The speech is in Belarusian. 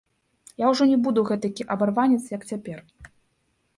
Я ўжо не буду гэтакі абарванец, як цяпер.